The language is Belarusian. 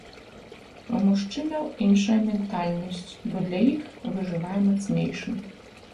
У мужчынаў іншая ментальнасць, бо для іх выжывае мацнейшы.